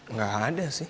nggak ada sih